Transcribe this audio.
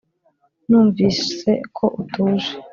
numvise ko utuje